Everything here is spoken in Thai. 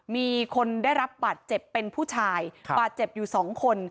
มีคนได้รับบาดเจ็บเป็นผู้ชายบาดเจ็บอยู่สองคน